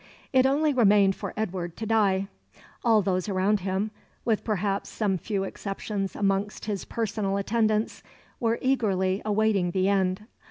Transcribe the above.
It only remained for Edward to die. All those around him, with perhaps some few exceptions amongst his personal attendants, were eagerly awaiting the end.